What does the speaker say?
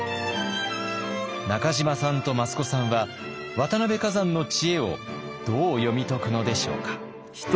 中島さんと益子さんは渡辺崋山の知恵をどう読み解くのでしょうか。